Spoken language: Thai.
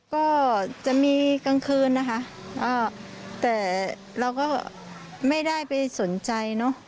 ก็จะมีกลางคืนนะคะแต่เราก็ไม่ได้ไปสนใจเนอะ